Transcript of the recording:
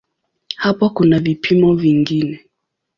Hapo kuna vipimo vingine.